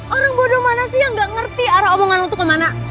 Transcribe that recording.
orang bodoh mana sih yang gak ngerti arah omongan untuk kemana